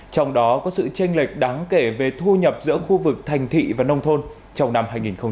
trong đó có sự tranh lệch đáng kể về thu nhập giữa khu vực thành thị và nông thôn trong năm hai nghìn một mươi tám